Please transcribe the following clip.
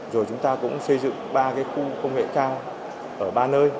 rồi chúng ta cũng xây dựng ba khu công nghệ cao ở ba nơi